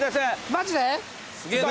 マジで？